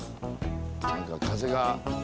何か風が。